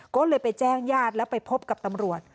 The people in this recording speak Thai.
ก็เลยไปแจ้งญาติแล้วไปพบกับตำรวจ